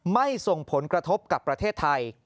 ส่งผลกระทบกับประเทศไทย